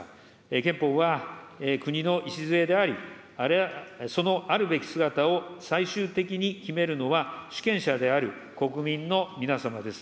憲法は国の礎であり、そのあるべき姿を最終的に決めるのは主権者である国民の皆様です。